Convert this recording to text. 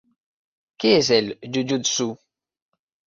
Què és el jujutsu?